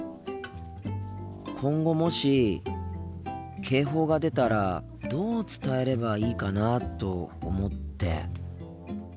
今後もし警報が出たらどう伝えればいいかなと思って。